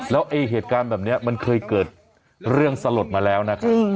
แล้วเหตุการณ์แบบนี้มันเคยเกิดเรื่องสลดมาแล้วนะครับ